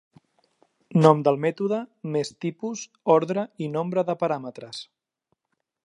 Nom del mètode més tipus, ordre i nombre de paràmetres.